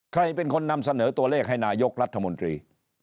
ใครเป็นคนนำเสนอตัวเลขให้นายกรัฐมนตรี